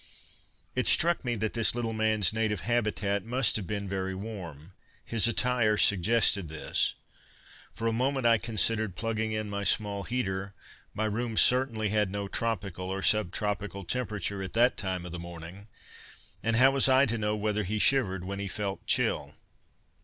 It struck me that this little man's native habitat must have been very warm. His attire suggested this. For a moment I considered plugging in my small heater; my room certainly had no tropical or sub tropical temperature at that time of the morning and how was I to know whether he shivered when he felt chill.